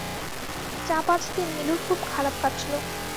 চা-পাঁচদিন নীলুর খুব খারাপ কাটল।